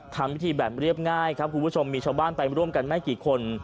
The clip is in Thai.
ทำพิธีแบบเรียบง่ายครับคุณผู้ชมมีชาวบ้านไปร่วมกันไม่กี่คน